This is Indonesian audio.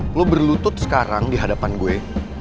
lu berlutut sekarang di hadapan gue